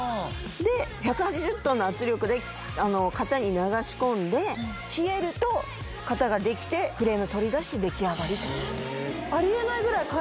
で１８０トンの圧力で型に流し込んで冷えると型ができてフレームを取り出してできあがりと。